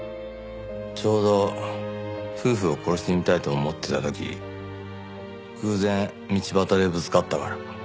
ちょうど夫婦を殺してみたいと思ってた時偶然道端でぶつかったから。